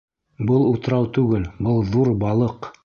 Был утрау түгел, был ҙур балыҡ!